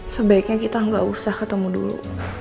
sebaiknya kita nggak usah ketemu dulu